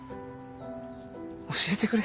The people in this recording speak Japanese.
教えてくれ。